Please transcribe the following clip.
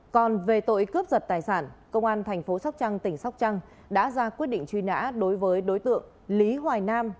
còn về tội cướp giật tài sản công an thành phố sóc trăng tỉnh sóc trăng đã ra quyết định truy nã đối với đối tượng lý hoài nam